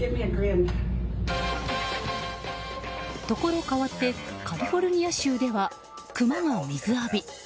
ところ変わってカリフォルニア州ではクマが水浴び。